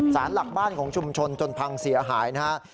สารหลักบ้านของชุมชนจนพังเสียหายนะครับ